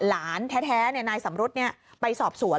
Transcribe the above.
หลานแท้เนี่ยนายสำรุดเนี่ยไปสอบสวน